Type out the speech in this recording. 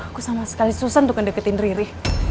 aku sama sekali susah untuk ngedeketin riri